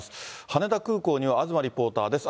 羽田空港には東リポーターです。